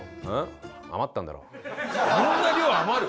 そんな量余る？